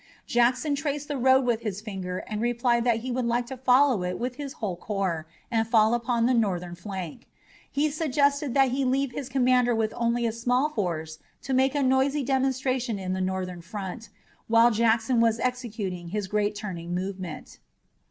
Jackson traced the road with his finger and replied that he would like to follow it with his whole corps and fall upon the Northern flank. He suggested that he leave his commander with only a small force to make a noisy demonstration in the Northern front, while Jackson was executing his great turning movement.